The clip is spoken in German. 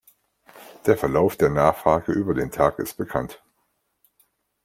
Der Verlauf der Nachfrage über den Tag ist bekannt.